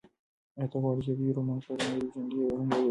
ایا ته غواړې چې د دې رومان په اړه نورې جملې هم ولولې؟